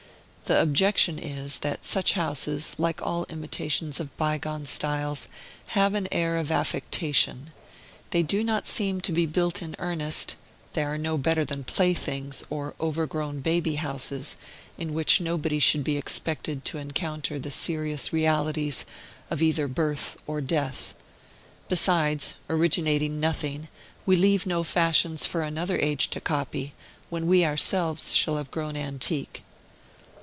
The objection is, that such houses, like all imitations of bygone styles, have an air of affectation; they do not seem to be built in earnest; they are no better than playthings, or overgrown baby houses, in which nobody should be expected to encounter the serious realities of either birth or death. Besides, originating nothing, we leave no fashions for another age to copy, when we ourselves shall have grown antique.